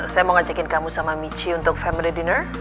saya mau ngajakin kamu sama michi untuk family dinner